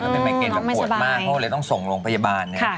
เขาไม่สบายเขาเป็นไมเกณฑ์ปวดมากเขาเลยต้องส่งลงพยาบาลเนี่ย